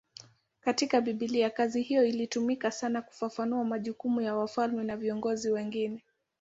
Katika Biblia kazi hiyo ilitumika sana kufafanua majukumu ya wafalme na viongozi wengine.